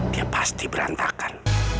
dia pasti berantakan